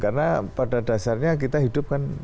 karena pada dasarnya kita hidup kan